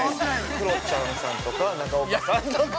クロちゃんさんとか、中岡さんとか。